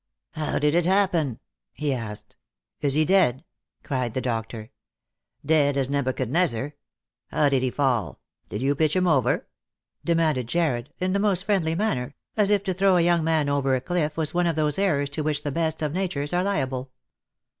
" How did it happen ?" he asked. " Is he dead ?" cried the doctor. "Dead as Nebuchadnezzar. How did he fall? Did you pitch him over P " demanded Jarred in the most friendly manner, as if to throw a young man over a cliff was one of those errors to which the best of natures are liable.